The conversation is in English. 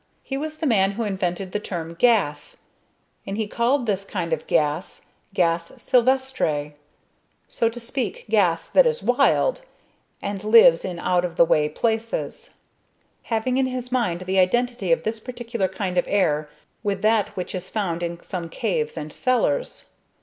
He was the man who invented the term "gas," and he called this kind of gas "gas silvestre" so to speak gas that is wild, and lives in out of the way places having in his mind the identity of this particular kind of air with that which is found in some caves and cellars.